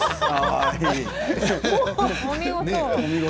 お見事。